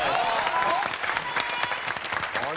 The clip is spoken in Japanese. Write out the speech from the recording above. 頑張れ！